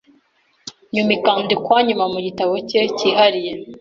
nyuma ikandikwa nyuma Mu gitabo cye cyihariye